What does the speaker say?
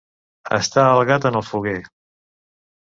Estar el gat en el foguer.